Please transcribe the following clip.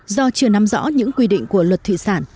do chưa nắm rõ những quy định của luật thủy sản